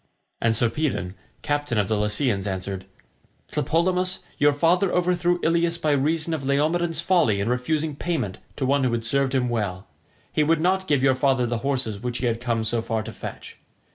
And Sarpedon, captain of the Lycians, answered, "Tlepolemus, your father overthrew Ilius by reason of Laomedon's folly in refusing payment to one who had served him well. He would not give your father the horses which he had come so far to fetch.